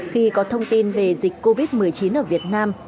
khi có thông tin về dịch covid một mươi chín ở việt nam